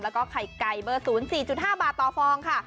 แล้วก็ไข่ไก่เบอร์๐๔๕บาทต่อฟองค่ะ